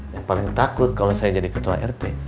yang paling takut kalau saya jadi ketua rt